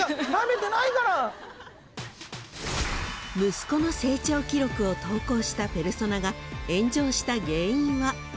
［息子の成長記録を投稿したペルソナが炎上した原因は］